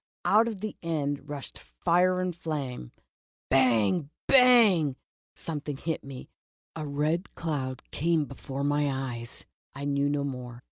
! Out of the end rushed fire and flame. Bang! Bang! — some thing hit me — a red cloud came before my eyes — I knew no more.